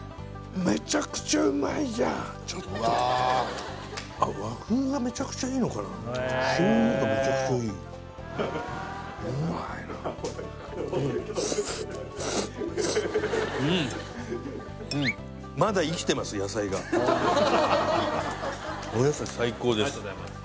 めちゃくちゃうまいじゃん和風がめちゃくちゃいいのかな醤油がめちゃくちゃいいうまいなあうんっうんお野菜最高です・ありがとうございます